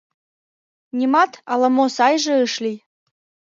Нимат ала-мо сайже ыш лий.